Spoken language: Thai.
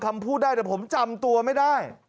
คำพูดได้แต่ผมจำตัวไม่ได้